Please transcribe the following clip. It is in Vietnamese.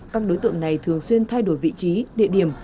các đối tượng này thường xuyên thay đổi vị trí địa điểm